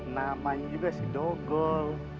namanya juga sih dogel